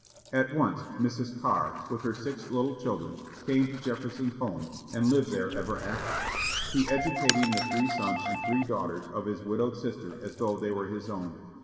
At once, Mrs. Carr, with her six little children, came to Jefferson's home, and lived there ever after, he educating the three sons and three daughters of his widowed sister as though they were his own.